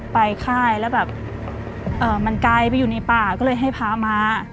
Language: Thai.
ค่ายแล้วแบบมันไกลไปอยู่ในป่าก็เลยให้พามา